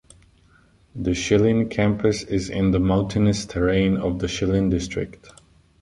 The Shilin Campus is in the mountainous terrain of the Shilin District.